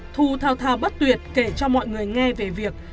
thu thao bất tuyệt kể cho mọi người nghe về việc